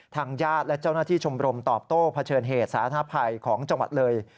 ทางญาติและเจ้าหน้าที่ชมรมตอบโต้เผชิญเหตุสาธารณภัยของจังหวัดเลย